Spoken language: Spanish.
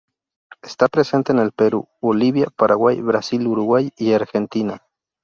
Está presente en el Perú, Bolivia, Paraguay, Brasil, Uruguay y Argentina.